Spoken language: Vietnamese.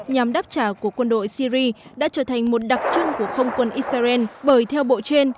nhằm đáp trả của quân đội syri đã trở thành một đặc trưng của không quân israel bởi theo bộ trên